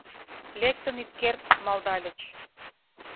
Лектын ит керт, малдальыч.